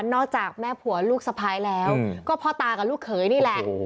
อกจากแม่ผัวลูกสะพ้ายแล้วก็พ่อตากับลูกเขยนี่แหละ